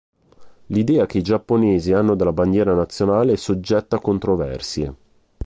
L'idea che i giapponesi hanno della bandiera nazionale è soggetta a controversie.